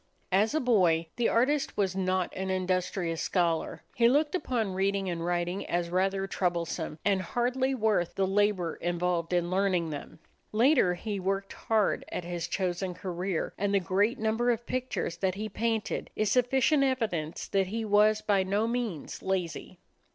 As a boy the artist was not an industrious scholar. He looked upon reading and writing as rather troublesome and hardly worth the labor involved in learning them. Later he worked hard at his chosen career, and the great number of pictures that he painted is sufficient evidence that he was by no means lazy.